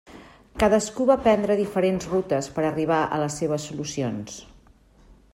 Cadascú va prendre diferents rutes per arribar a les seves solucions.